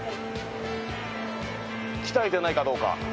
鍛えてないかどうか。